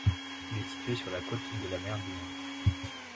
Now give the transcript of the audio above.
Il est situé sur la côte de la mer du Nord.